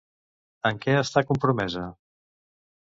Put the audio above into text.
En què està compromesa?